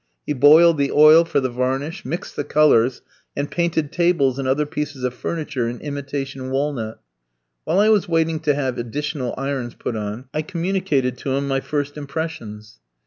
He boiled the oil for the varnish, mixed the colours, and painted tables and other pieces of furniture in imitation walnut. While I was waiting to have additional irons put on, I communicated to him my first impressions.